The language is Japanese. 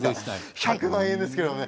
１００万円ですけどね。